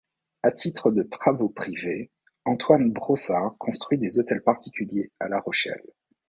À titre de travaux privés, Antoine Brossard construit des hôtels particuliers à La Rochelle.